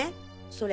それ。